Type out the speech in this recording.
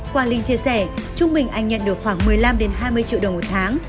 quang linh chia sẻ chúng mình anh nhận được khoảng một mươi năm hai mươi triệu đồng một tháng